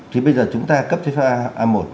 thì bây giờ chúng ta cấp giấy phép a một